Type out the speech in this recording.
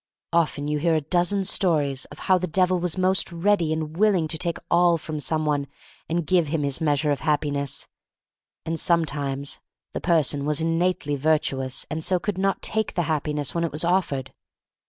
Often you hear a dozen stories of THE STORY OF MARY MAC LANE 45 how the Devil was most ready and will ing to take all from some one and give . him his measure of Happiness. And sometimes the person was innately virtuous and so could not take the Hap piness when it was offered.